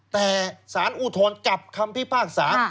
แต่สารอุทธนกับคำพิพากษ์ศาล